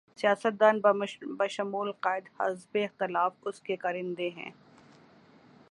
سیاست دان بشمول قائد حزب اختلاف اس کے کارندے ہیں۔